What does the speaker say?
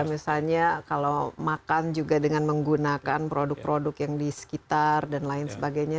misalnya kalau makan juga dengan menggunakan produk produk yang di sekitar dan lain sebagainya